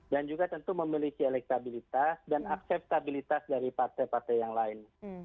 dan juga tentu memiliki elektabilitas dan akseptabilitas dari partai partai yang lain